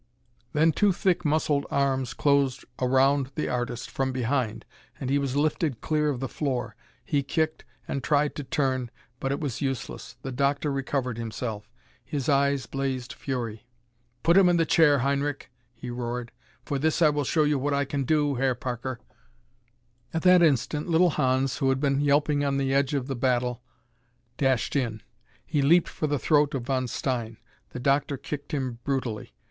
Then two thick muscled arms closed around the artist from behind and he was lifted clear of the floor. He kicked, and tried to turn, but it was useless. The doctor recovered himself. His eyes blazed fury. "Put him in the chair, Heinrich!" he roared. "For this I will show you what I can do, Herr Parker!" At that instant little Hans, who had been yelping on the edge of the battle, dashed in. He leaped for the throat of Von Stein. The doctor kicked him brutally.